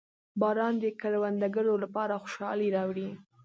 • باران د کروندګرو لپاره خوشحالي راوړي.